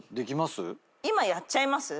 今やっちゃいます？